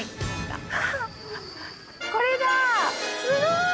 これだすごい！